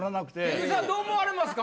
菊地さんどう思われますか？